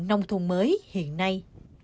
nông thôn mới hiện nay